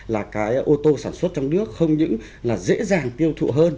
là cái ô tô sản xuất trong nước không những là dễ dàng tiêu thụ hơn